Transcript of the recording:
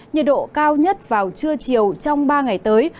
nhiệt độ cao nhất vào trưa chiều trong ba ngày tới